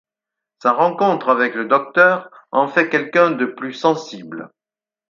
Sa rencontre avec le Docteur en fait quelqu'un de plus sensible.